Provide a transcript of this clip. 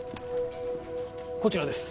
こちらです